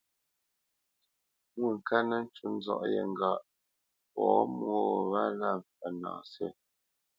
Mwôŋkát nə́ ncú nzɔ̌ʼ yé ŋgâʼ pɔ̌ mwô gho wálā mpfə́ nâ sə̂.